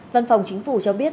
văn phòng chính phủ cho biết